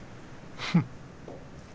フッ。